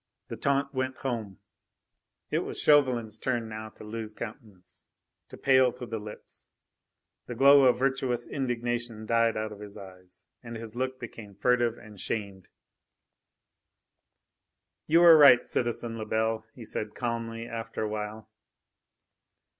The taunt went home. It was Chauvelin's turn now to lose countenance, to pale to the lips. The glow of virtuous indignation died out of his eyes, his look became furtive and shamed. "You are right, citizen Lebel," he said calmly after a while.